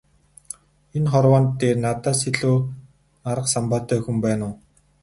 Энэ хорвоо дээр надаас илүү арга самбаатай хүн байна уу?